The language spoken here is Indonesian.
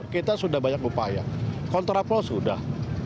kita sudah banyak upaya kontraflow sudah